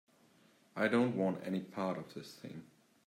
I don't want any part of this thing.